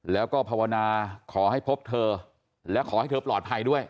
แล้วก็ภาวนาขอให้พบเธอและขอให้เธอปลอดภัยด้วย